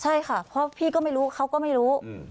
ใช่ค่ะเพราะพี่ก็ไม่รู้เขาก็ไม่รู้